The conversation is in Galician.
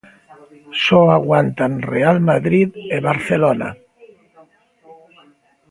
Só aguantan Real Madrid e Barcelona.